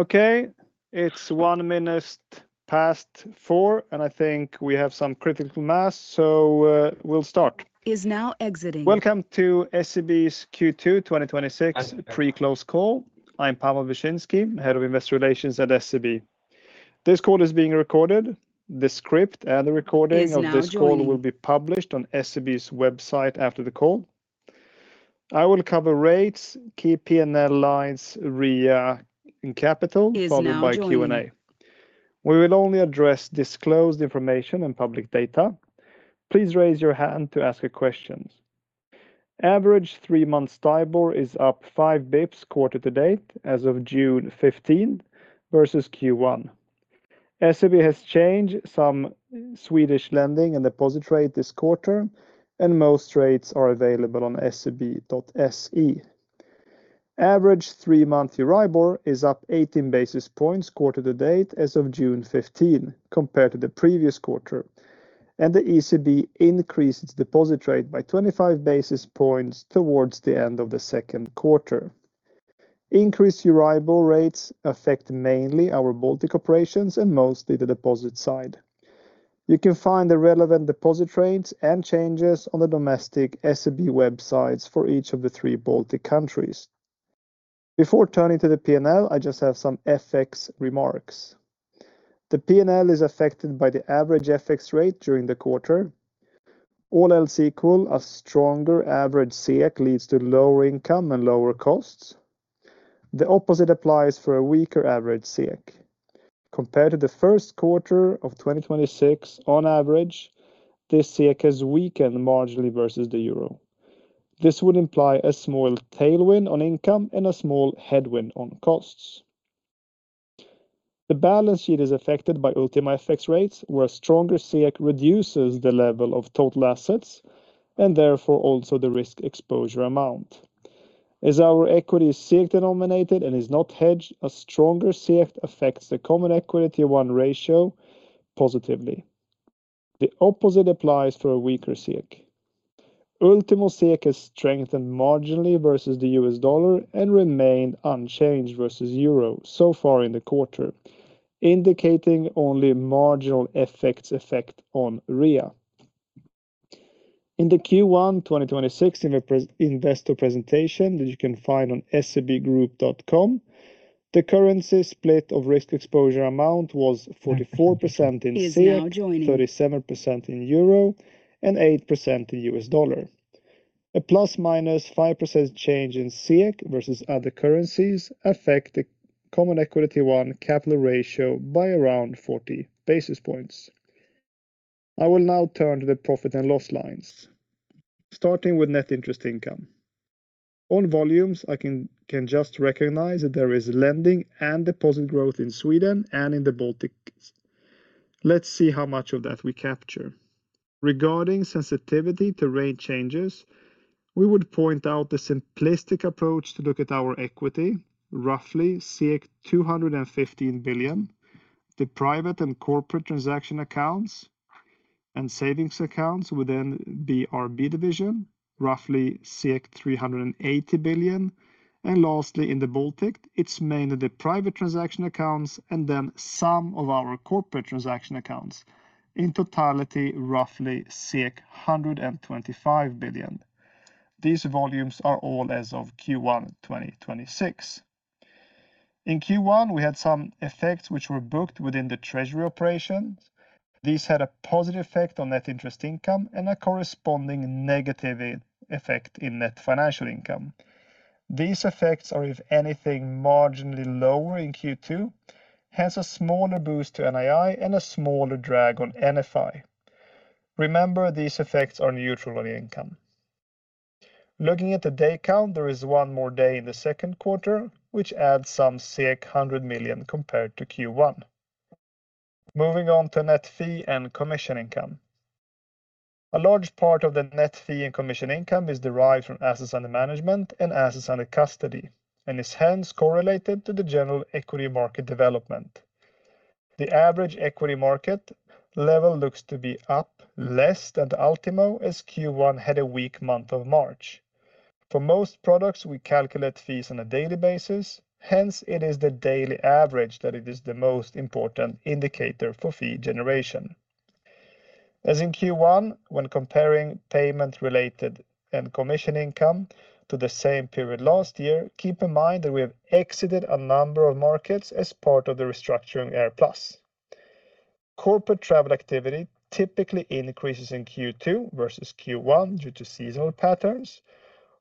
Okay. It's one minute past 4:00, and I think we have some critical mass, so we'll start. Is now exiting. Welcome to SEB's Q2 2026 Pre-close call. I'm Pawel Wyszynski, Head of Investor Relations at SEB. This call is being recorded. The script and the recording. Is now joining This call will be published on SEB's website after the call. I will cover rates, key P&L lines, REA, and capital- Is now joining followed by Q&A. We will only address disclosed information and public data. Please raise your hand to ask a question. Average three-month STIBOR is up five basis points quarter to date as of June 15th versus Q1. SEB has changed some Swedish lending and deposit rate this quarter, and most rates are available on seb.se. Average three-month EURIBOR is up 18 basis points quarter to date as of June 15 compared to the previous quarter, and the ECB increased its deposit rate by 25 basis points towards the end of the second quarter. Increased EURIBOR rates affect mainly our Baltic operations and mostly the deposit side. You can find the relevant deposit rates and changes on the domestic SEB websites for each of the three Baltic countries. Before turning to the P&L, I just have some FX remarks. The P&L is affected by the average FX rate during the quarter. All else equal, a stronger average SEK leads to lower income and lower costs. The opposite applies for a weaker average SEK. Compared to the first quarter of 2026, on average, the SEK has weakened marginally versus the euro. This would imply a small tailwind on income and a small headwind on costs. The balance sheet is affected by ultimo FX rates, where a stronger SEK reduces the level of total assets and therefore also the risk exposure amount. As our equity is SEK-denominated and is not hedged, a stronger SEK affects the common equity one ratio positively. The opposite applies for a weaker SEK. Ultimo SEK has strengthened marginally versus the US dollar and remained unchanged versus euro so far in the quarter, indicating only marginal FX effect on REA. In the Q1 2026 investor presentation that you can find on sebgroup.com, the currency split of risk exposure amount was 44% in SEK. Is now joining 37% in EUR and 8% in USD. A ± 5% change in SEK versus other currencies affect the common equity one capital ratio by around 40 basis points. I will now turn to the profit and loss lines, starting with net interest income. On volumes, I can just recognize that there is lending and deposit growth in Sweden and in the Baltics. Let's see how much of that we capture. Regarding sensitivity to rate changes, we would point out the simplistic approach to look at our equity, roughly 215 billion, the private and corporate transaction accounts and savings accounts within the RB division, roughly 380 billion, and lastly, in the Baltics, it's mainly the private transaction accounts and then some of our corporate transaction accounts. In totality, roughly 125 billion. These volumes are all as of Q1 2026. In Q1, we had some effects which were booked within the treasury operations. These had a positive effect on net interest income and a corresponding negative effect in net financial income. These effects are, if anything, marginally lower in Q2, hence a smaller boost to NII and a smaller drag on NFI. Remember, these effects are neutral on income. Looking at the day count, there is one more day in the second quarter, which adds some 100 million compared to Q1. Moving on to net fee and commission income. A large part of the net fee and commission income is derived from assets under management and assets under custody and is hence correlated to the general equity market development. The average equity market level looks to be up less than the ultimo as Q1 had a weak month of March. For most products, we calculate fees on a daily basis. Hence, it is the daily average that it is the most important indicator for fee generation. As in Q1, when comparing payment-related and commission income to the same period last year, keep in mind that we have exited a number of markets as part of the restructuring AirPlus. Corporate travel activity typically increases in Q2 versus Q1 due to seasonal patterns,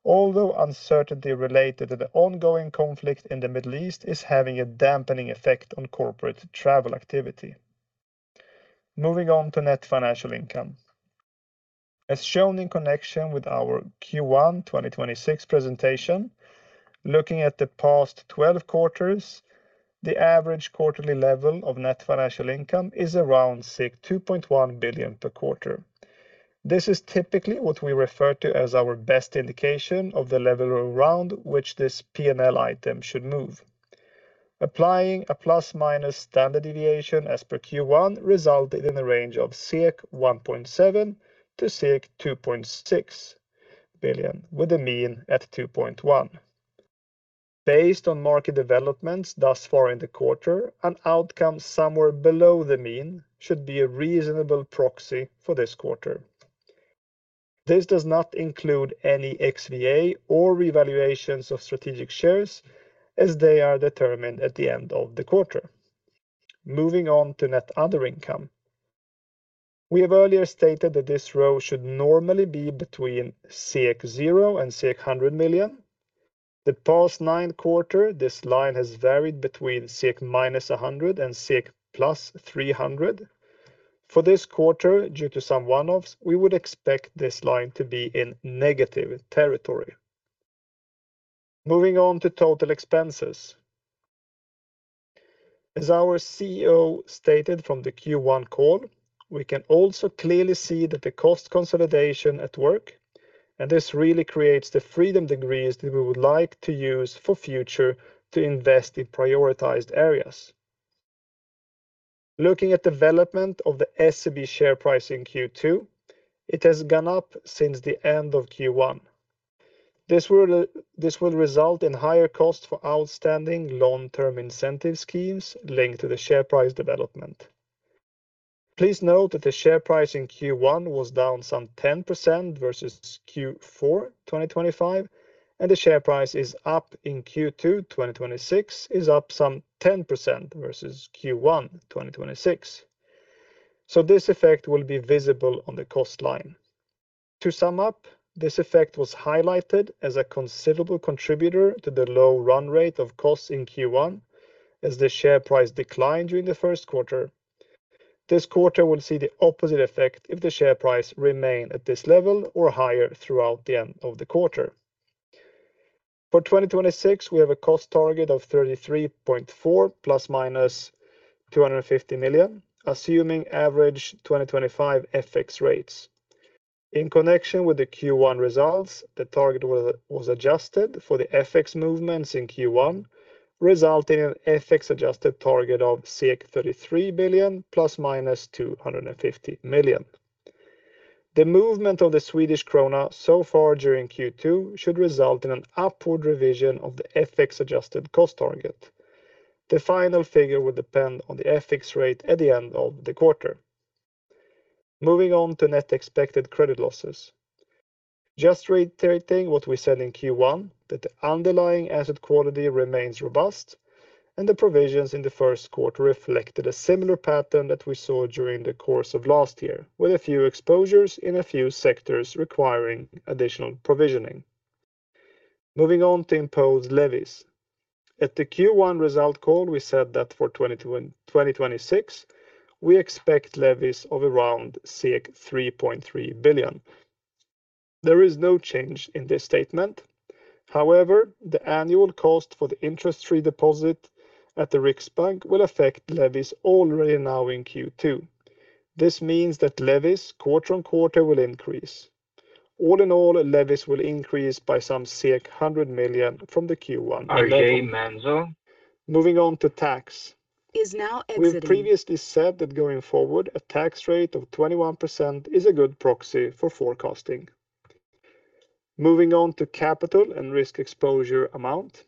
although uncertainty related to the ongoing conflict in the Middle East is having a dampening effect on corporate travel activity. Moving on to net financial income. As shown in connection with our Q1 2026 presentation, looking at the past 12 quarters, the average quarterly level of net financial income is around 2.1 billion per quarter. This is typically what we refer to as our best indication of the level around which this P&L item should move. Applying a plus-minus standard deviation as per Q1 resulted in a range of 1.7 billion to 2.6 billion, with the mean at 2.1. Based on market developments thus far in the quarter, an outcome somewhere below the mean should be a reasonable proxy for this quarter. This does not include any XVA or revaluations of strategic shares as they are determined at the end of the quarter. Moving on to net other income. We have earlier stated that this row should normally be between 0 and 100 million. The past nine quarter, this line has varied between -100 and +300. For this quarter, due to some one-offs, we would expect this line to be in negative territory. Moving on to total expenses. As our CEO stated from the Q1 call, we can also clearly see that the cost consolidation at work. This really creates the freedom degrees that we would like to use for future to invest in prioritized areas. Looking at development of the SEB share price in Q2, it has gone up since the end of Q1. This will result in higher cost for outstanding long-term incentive schemes linked to the share price development. Please note that the share price in Q1 was down some 10% versus Q4 2025, and the share price is up in Q2 2026 is up some 10% versus Q1 2026. This effect will be visible on the cost line. To sum up, this effect was highlighted as a considerable contributor to the low run rate of costs in Q1 as the share price declined during the first quarter. This quarter will see the opposite effect if the share price remain at this level or higher throughout the end of the quarter. For 2026, we have a cost target of 33.4 billion ± 250 million, assuming average 2025 FX rates. In connection with the Q1 results, the target was adjusted for the FX movements in Q1, resulting in an FX adjusted target of 33 billion ± 250 million. The movement of the Swedish krona so far during Q2 should result in an upward revision of the FX adjusted cost target. The final figure will depend on the FX rate at the end of the quarter. Moving on to net expected credit losses. Just reiterating what we said in Q1, that the underlying asset quality remains robust and the provisions in the first quarter reflected a similar pattern that we saw during the course of last year, with a few exposures in a few sectors requiring additional provisioning. Moving on to imposed levies. At the Q1 result call, we said that for 2026, we expect levies of around 3.3 billion. There is no change in this statement. However, the annual cost for the interest redeposit at the Riksbank will affect levies already now in Q2. This means that levies quarter-on-quarter will increase. All in all, levies will increase by some 100 million from the Q1 level. RJ Manzo. Moving on to tax. Is now exiting. We've previously said that going forward, a tax rate of 21% is a good proxy for forecasting. Moving on to capital and risk exposure amount.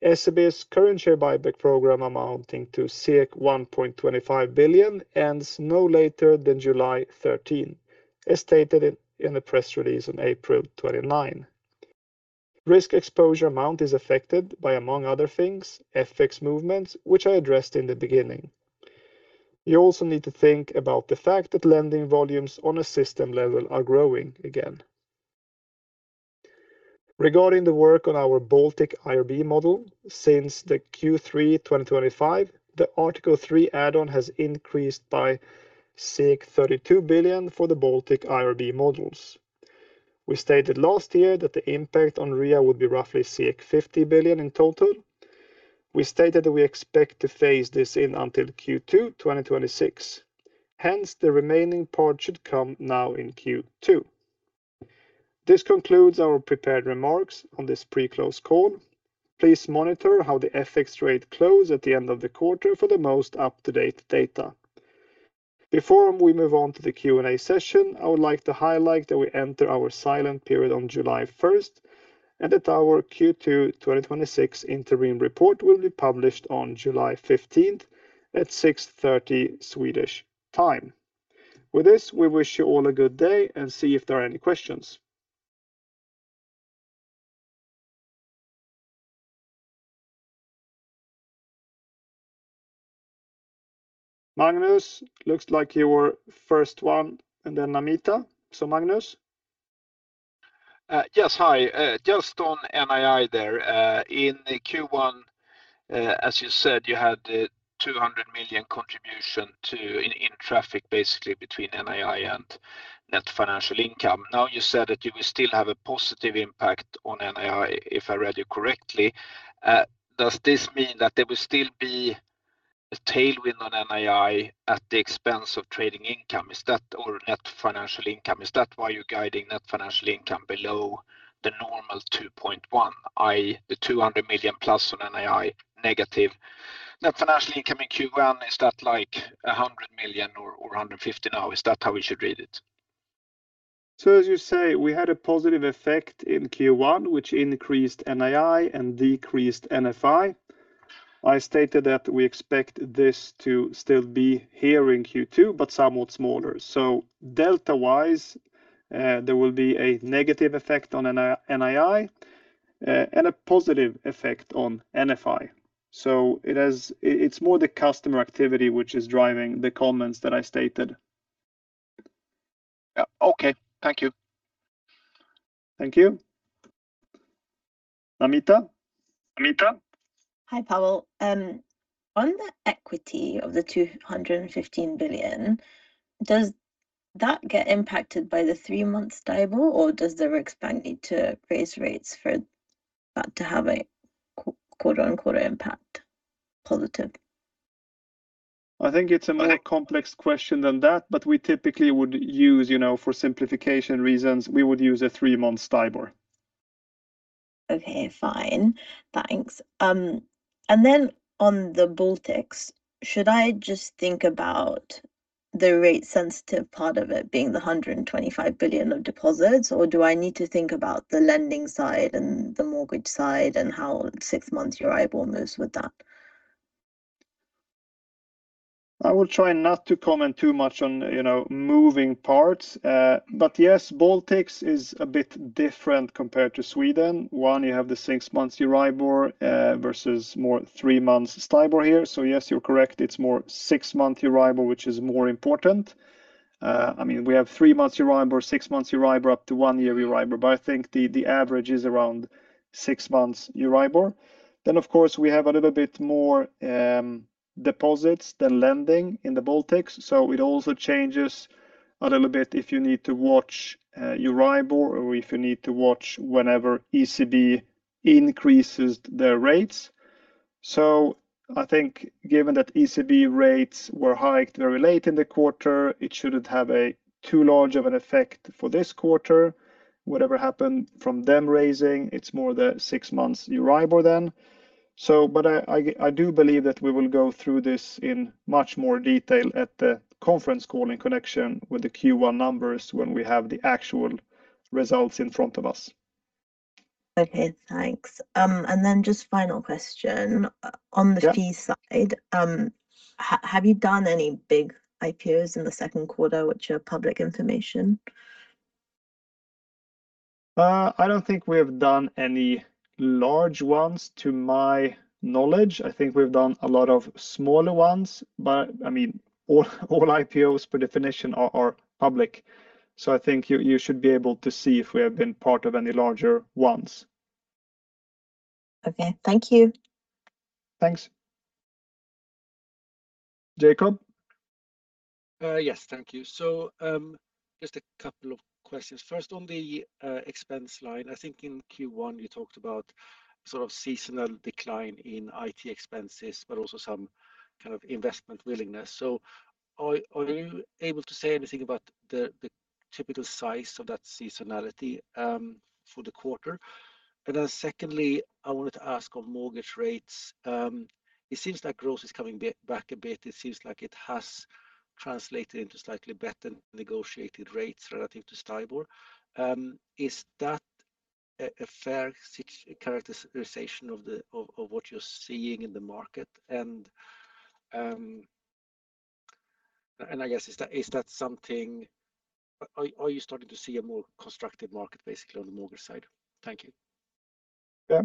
SEB's current share buyback program amounting to 1.25 billion ends no later than July 13, as stated in the press release on April 29. Risk exposure amount is affected by, among other things, FX movements, which I addressed in the beginning. You also need to think about the fact that lending volumes on a system level are growing again. Regarding the work on our Baltic IRB model since the Q3 2025, the Article 3 add-on has increased by 32 billion for the Baltic IRB models. We stated last year that the impact on REA would be roughly 50 billion in total. We stated that we expect to phase this in until Q2 2026. Hence, the remaining part should come now in Q2. This concludes our prepared remarks on this pre-close call. Please monitor how the FX rate close at the end of the quarter for the most up-to-date data. Before we move on to the Q&A session, I would like to highlight that we enter our silent period on July 1st and that our Q2 2026 interim report will be published on July 15th at 6:30 A.M. Swedish time. With this, we wish you all a good day and see if there are any questions. Magnus, looks like you're first one and then Namita. Magnus. Yes, hi. Just on NII there. In Q1, as you said, you had the 200 million contribution in traffic, basically between NII and NFI. You said that you will still have a positive impact on NII, if I read you correctly. Does this mean that there will still be a tailwind on NII at the expense of trading income? Is that or NFI? Is that why you're guiding NFI below the normal 2.1, i.e. the 200 million plus on NII negative NFI in Q1? Is that like 100 million or 150 million now? Is that how we should read it? As you say, we had a positive effect in Q1, which increased NII and decreased NFI. I stated that we expect this to still be here in Q2, but somewhat smaller. Delta-wise, there will be a negative effect on NII and a positive effect on NFI. It's more the customer activity which is driving the comments that I stated. Yeah. Okay. Thank you. Thank you. Namita? Namita. Hi, Pawel. On the equity of the 215 billion, does that get impacted by the three-month STIBOR, or does the Riksbank need to raise rates for that to have a quote-unquote impact positive? I think it's a more complex question than that. We typically would use for simplification reasons, we would use a three-month STIBOR. Okay, fine. Thanks. Then on the Baltics, should I just think about the rate sensitive part of it being the 125 billion of deposits, or do I need to think about the lending side and the mortgage side and how six months EURIBOR moves with that? I will try not to comment too much on moving parts. Yes, Baltics is a bit different compared to Sweden. One, you have the six months EURIBOR versus more three months STIBOR here. Yes, you're correct. It's more six-month EURIBOR, which is more important. We have three months EURIBOR, six months EURIBOR, up to one year EURIBOR, but I think the average is around six months EURIBOR. Of course, we have a little bit more deposits than lending in the Baltics. It also changes a little bit if you need to watch EURIBOR or if you need to watch whenever ECB increases their rates. I think given that ECB rates were hiked very late in the quarter, it shouldn't have too large of an effect for this quarter. Whatever happened from them raising, it's more the six months EURIBOR then. I do believe that we will go through this in much more detail at the conference call in connection with the Q1 numbers when we have the actual results in front of us. Okay, thanks. Then just final question. Yeah. On the fee side, have you done any big IPOs in the second quarter which are public information? I don't think we have done any large ones, to my knowledge. I think we've done a lot of smaller ones. All IPOs per definition are public. I think you should be able to see if we have been part of any larger ones. Okay. Thank you. Thanks. Jacob? Yes. Thank you. Just a couple of questions. First, on the expense line, I think in Q1 you talked about sort of seasonal decline in IT expenses, but also some kind of investment willingness. Are you able to say anything about the typical size of that seasonality for the quarter? Secondly, I wanted to ask on mortgage rates. It seems like growth is coming back a bit. It seems like it has translated into slightly better negotiated rates relative to STIBOR. Is that a fair characterization of what you're seeing in the market? I guess, are you starting to see a more constructive market basically on the mortgage side? Thank you. Yeah.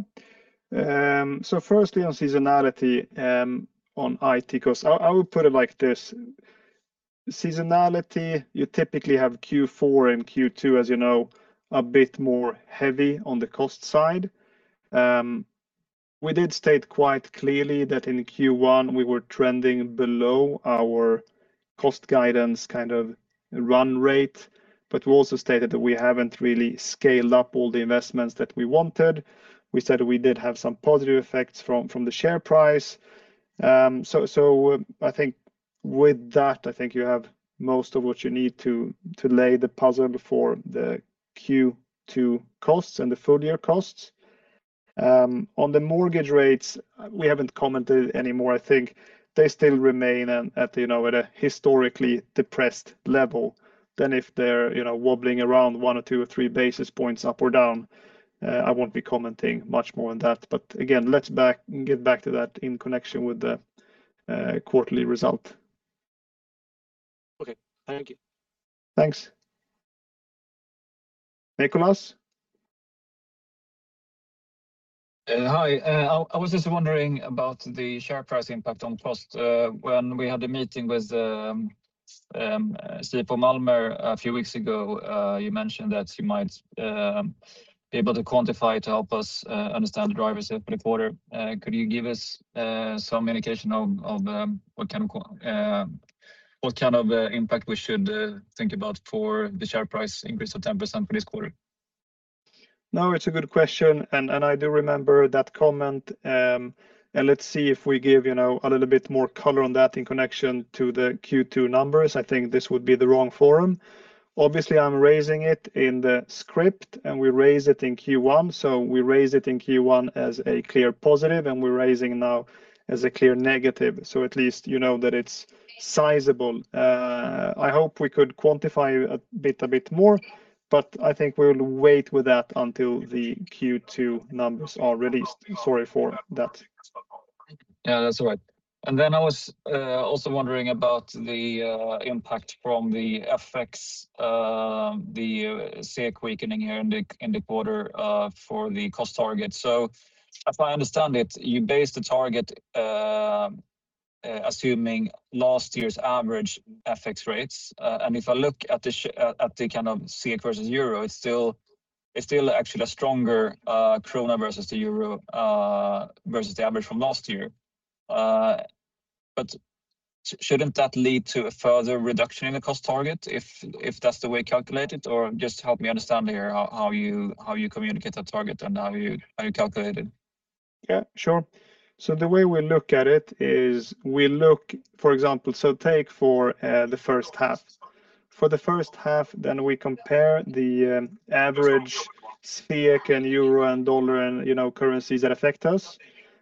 Firstly on seasonality on IT, because I would put it like this. Seasonality, you typically have Q4 and Q2, as you know, a bit more heavy on the cost side. We did state quite clearly that in Q1 we were trending below our cost guidance kind of run rate, but we also stated that we haven't really scaled up all the investments that we wanted. We said we did have some positive effects from the share price. I think with that, I think you have most of what you need to lay the puzzle before the Q2 costs and the full-year costs. On the mortgage rates, we haven't commented anymore. I think they still remain at a historically depressed level than if they're wobbling around one or two or three basis points up or down. I won't be commenting much more on that, but again, let's get back to that in connection with the quarterly result. Okay. Thank you. Thanks. Nikolas? Hi. I was just wondering about the share price impact on costs. When we had a meeting with Christoffer Malmer a few weeks ago, you mentioned that you might be able to quantify to help us understand the drivers for the quarter. Could you give us some indication of what kind of impact we should think about for the share price increase of 10% for this quarter? It's a good question, I do remember that comment. Let's see if we give a little bit more color on that in connection to the Q2 numbers. I think this would be the wrong forum. Obviously, I'm raising it in the script, we raised it in Q1. We raised it in Q1 as a clear positive, we're raising now as a clear negative. At least you know that it's sizable I hope we could quantify a bit more, I think we'll wait with that until the Q2 numbers are released. Sorry for that. That's all right. I was also wondering about the impact from the FX, the SEK weakening here in the quarter for the cost target. As I understand it, you base the target assuming last year's average FX rates. If I look at the kind of SEK versus Euro, it's still actually a stronger Krona versus the Euro versus the average from last year. Shouldn't that lead to a further reduction in the cost target if that's the way you calculate it? Just help me understand here how you communicate that target and how you calculate it. Yeah, sure. The way we look at it is we look, for example, so take for the first half. For the first half, we compare the average SEK and Euro and dollar and currencies that affect us.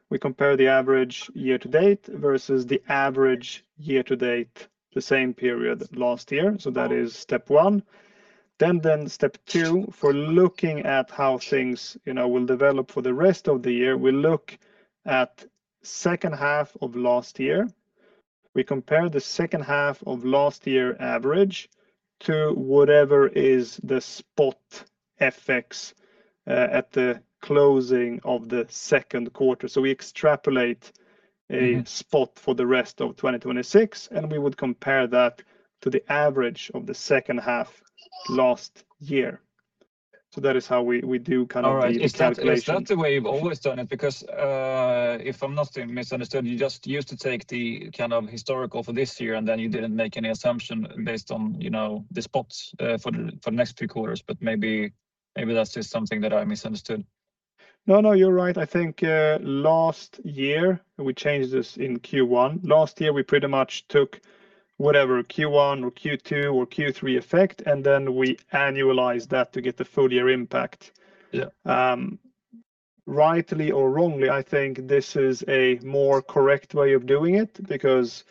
We compare the average year to date versus the average year to date the same period last year. That is step one. Step two, for looking at how things will develop for the rest of the year, we look at second half of last year. We compare the second half of last year average to whatever is the spot FX at the closing of the second quarter. We extrapolate a spot for the rest of 2026, and we would compare that to the average of the second half last year. That is how we do kind of the calculation. All right. Is that the way you've always done it? If I'm not misunderstood, you just used to take the kind of historical for this year, and then you didn't make any assumption based on the spots for the next two quarters, but maybe that's just something that I misunderstood. No, you're right. I think last year we changed this in Q1. Last year, we pretty much took whatever Q1 or Q2 or Q3 effect, and then we annualized that to get the full year impact. Yeah. Rightly or wrongly, I think this is a more correct way of doing it because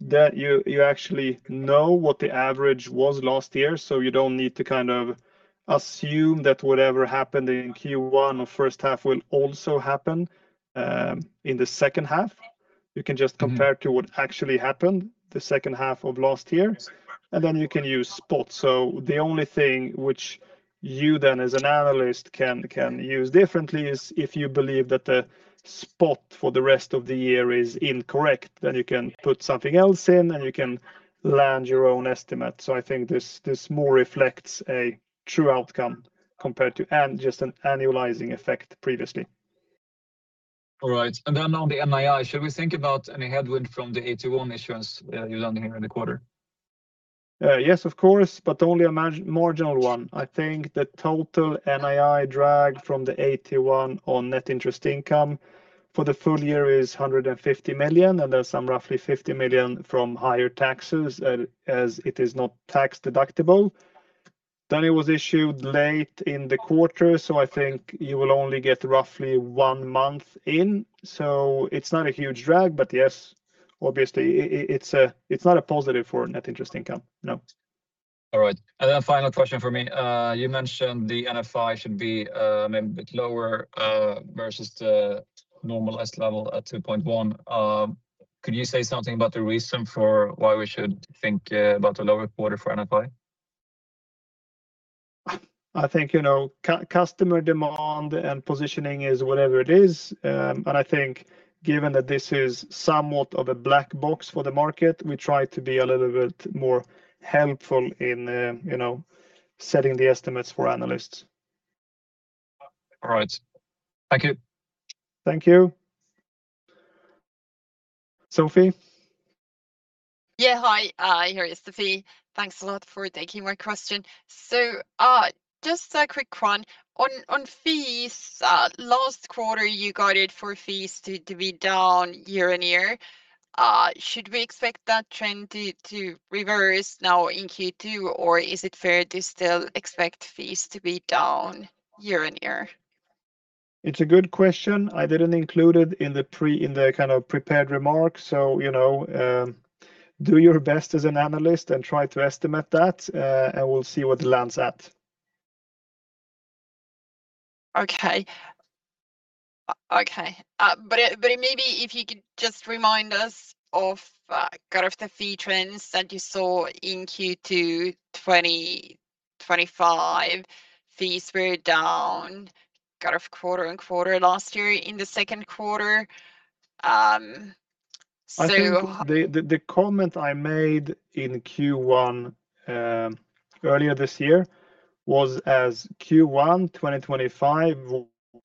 then you actually know what the average was last year, so you don't need to kind of assume that whatever happened in Q1 or first half will also happen in the second half. You can just compare to what actually happened the second half of last year, and then you can use spot. The only thing which you then as an analyst can use differently is if you believe that the spot for the rest of the year is incorrect, then you can put something else in and you can land your own estimate. I think this more reflects a true outcome compared to just an annualizing effect previously. All right. Then on the NII, should we think about any headwind from the AT1 issuance you landed here in the quarter? Yes, of course, but only a marginal one. I think the total NII drag from the AT1 on net interest income for the full year is 150 million, and there's some roughly 50 million from higher taxes as it is not tax-deductible. It was issued late in the quarter, so I think you will only get roughly one month in. It's not a huge drag. Yes, obviously it's not a positive for net interest income, no. All right. Then final question from me. You mentioned the NFI should be maybe a bit lower, versus the normalized level at 2.1. Could you say something about the reason for why we should think about a lower quarter for NFI? I think customer demand and positioning is whatever it is. I think given that this is somewhat of a black box for the market, we try to be a little bit more helpful in setting the estimates for analysts. All right. Thank you. Thank you. Sofie? Yeah. Hi, here is Sofie. Thanks a lot for taking my question. Just a quick one. On fees, last quarter, you guided for fees to be down year-on-year. Should we expect that trend to reverse now in Q2, or is it fair to still expect fees to be down year-on-year? It's a good question. I didn't include it in the kind of prepared remarks. Do your best as an analyst and try to estimate that, and we'll see what it lands at. Okay. Maybe if you could just remind us of kind of the fee trends that you saw in Q2 2025. Fees were down kind of quarter-on-quarter last year in the second quarter. I think the comment I made in Q1 earlier this year was as Q1 2025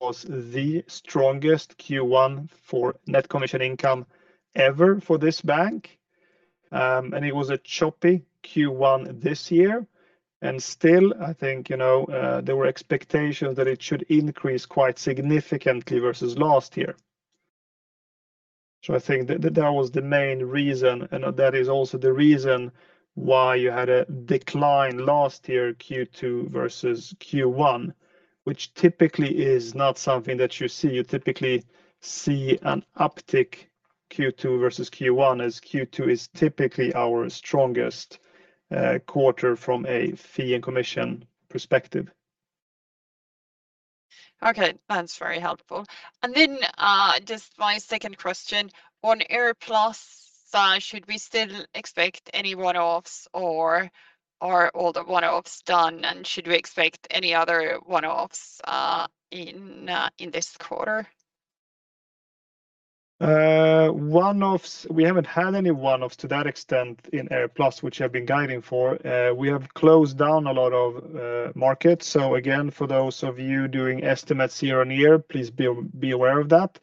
was the strongest Q1 for net commission income ever for this bank. It was a choppy Q1 this year. Still, I think, there were expectations that it should increase quite significantly versus last year. I think that was the main reason, and that is also the reason why you had a decline last year, Q2 versus Q1, which typically is not something that you see. You typically see an uptick Q2 versus Q1, as Q2 is typically our strongest quarter from a fee and commission perspective. Okay, that's very helpful. Then just my second question, on AirPlus, should we still expect any one-offs or are all the one-offs done and should we expect any other one-offs in this quarter? We haven't had any one-offs to that extent in AirPlus, which I've been guiding for. We have closed down a lot of markets. Again, for those of you doing estimates year-on-year, please be aware of that.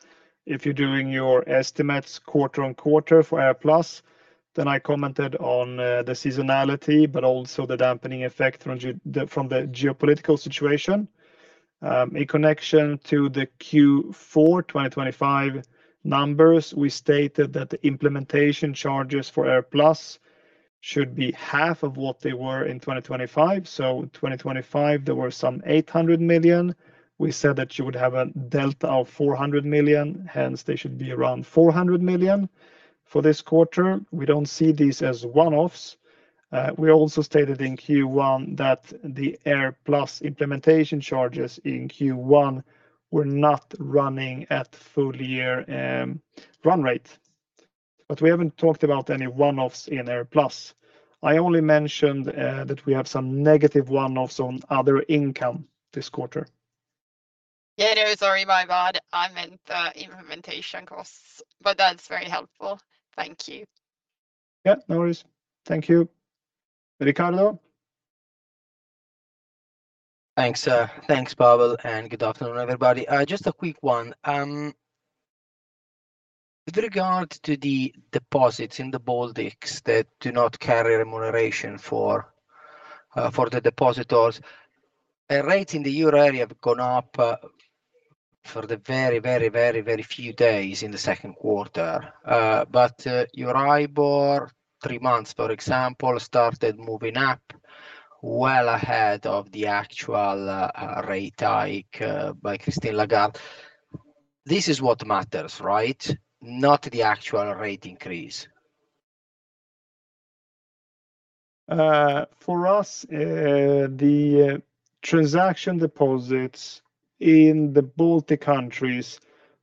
If you're doing your estimates quarter-on-quarter for AirPlus, I commented on the seasonality, but also the dampening effect from the geopolitical situation. In connection to the Q4 2025 numbers, we stated that the implementation charges for AirPlus should be half of what they were in 2025. 2025, there were some 800 million. We said that you would have a delta of 400 million, hence they should be around 400 million for this quarter. We don't see these as one-offs. We also stated in Q1 that the AirPlus implementation charges in Q1 were not running at full year run rate. We haven't talked about any one-offs in AirPlus. I only mentioned that we have some negative one-offs on other income this quarter. Yeah, sorry, my bad. I meant the implementation costs, but that's very helpful. Thank you. Yeah, no worries. Thank you, Riccardo. Thanks, Pawel, and good afternoon, everybody. Just a quick one. With regard to the deposits in the Baltics that do not carry remuneration for the depositors, rates in the Euro area have gone up for the very, very few days in the second quarter. EURIBOR, three months, for example, started moving up well ahead of the actual rate hike by Christine Lagarde. This is what matters, right? Not the actual rate increase. For us, the transaction deposits in the Baltic countries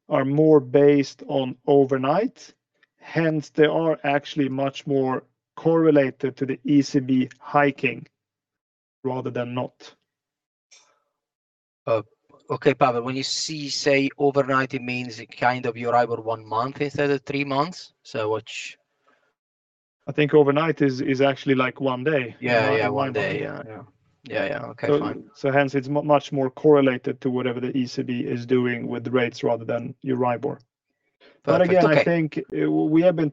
are more based on overnight, hence they are actually much more correlated to the ECB hiking rather than not. Okay, Pawel, when you see, say, overnight, it means it kind of EURIBOR one month instead of three months? I think overnight is actually one day. Yeah, one day. Yeah. Okay, fine. Hence it's much more correlated to whatever the ECB is doing with rates rather than EURIBOR. Perfect. Okay. Again, I think we have been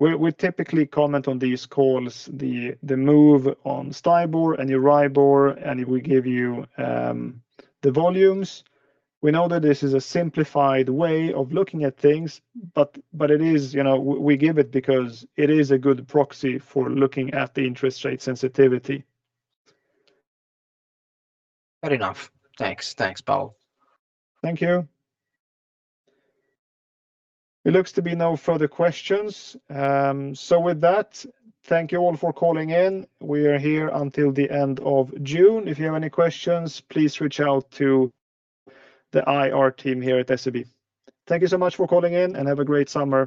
We typically comment on these calls, the move on STIBOR and EURIBOR, and we give you the volumes. We know that this is a simplified way of looking at things, but we give it because it is a good proxy for looking at the interest rate sensitivity. Fair enough. Thanks, Pawel. Thank you. It looks to be no further questions. With that, thank you all for calling in. We are here until the end of June. If you have any questions, please reach out to the IR team here at SEB. Thank you so much for calling in and have a great summer